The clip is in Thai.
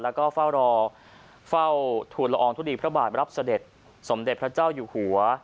แล้วก็เฝ้ารอเฝ้าทูลละอองทุลีพระบาทรับเสด็จสมเด็จพระเจ้าอยู่หัว